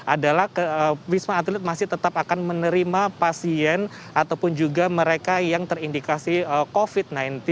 adalah wisma atlet masih tetap akan menerima pasien ataupun juga mereka yang terindikasi covid sembilan belas